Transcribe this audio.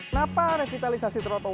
kenapa revitalisasi trotoar ini